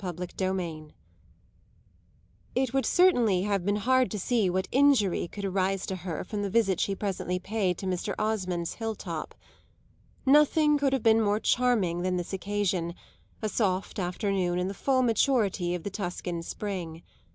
CHAPTER XXIV It would certainly have been hard to see what injury could arise to her from the visit she presently paid to Mr. Osmond's hill top. Nothing could have been more charming than this occasion a soft afternoon in the full maturity of the Tuscan spring.